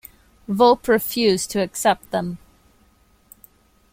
Volpe refused to accept them.